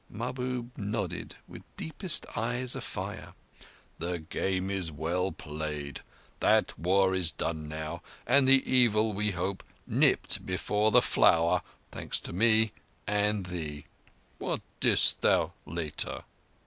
Mahbub nodded with deepest eyes afire. "The game is well played. That war is done now, and the evil, we hope, nipped before the flower—thanks to me—and thee. What didst thou later?"